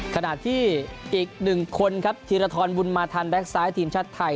ขนาดที่อีกหนึ่งคนครับธิรฐรบุญมาธรรมแบ็คซ้ายทีมชาติไทย